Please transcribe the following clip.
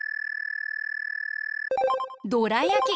どらやき！